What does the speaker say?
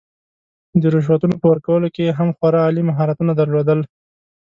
د رشوتونو په ورکولو کې یې هم خورا عالي مهارتونه درلودل.